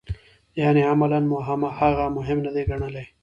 یعنې عملاً مو هغه مهم نه دی ګڼلی.